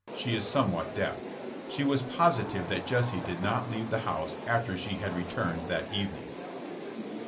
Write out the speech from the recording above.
She is somewhat deaf. She was positive that Jesse did not leave the house after she had re turned that evening.